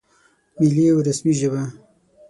ملي او رسمي ژبه